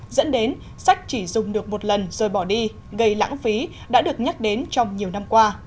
dẫn đến sách chỉ dùng được một lần rồi bỏ đi gây lãng phí đã được nhắc đến trong nhiều năm qua